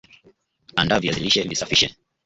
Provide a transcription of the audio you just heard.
Andaa viazi lishe visafishe